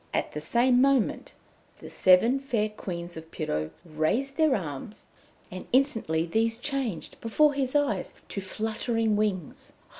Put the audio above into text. At the same moment the Seven Fair Queens of Pirou raised their arms, and instantly these changed, before his eyes, to fluttering wings.